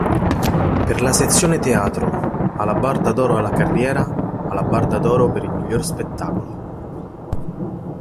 Per la sezione Teatro: Alabarda d'oro alla carriera, Alabarda d'oro per il miglior spettacolo.